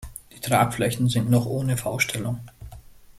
Die Tragflächen sind noch ohne V-Stellung.